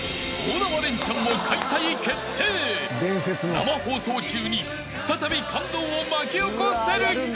［生放送中に再び感動を巻き起こせるか］